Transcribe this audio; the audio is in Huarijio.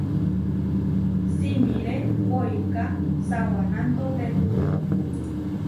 Simiré poiká sawanantotéturi.